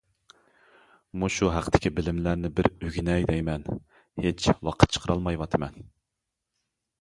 مۇشۇ ھەقتىكى بىلىملەرنى بىر ئۆگىنەي دەيمەن، ھېچ ۋاقىت چىقىرالمايۋاتىمەن.